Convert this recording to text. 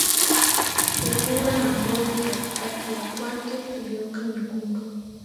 Kufura na ngozi ya katikati ya kwato kugeuka nyekundu